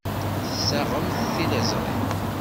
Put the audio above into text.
Tessaɣemt tiliẓri.